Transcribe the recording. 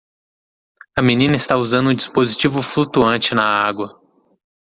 A menina está usando um dispositivo flutuante na água.